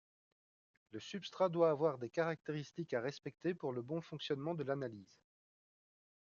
Le substrat doit avoir des caractéristiques à respecter pour le bon fonctionnement de l’analyse.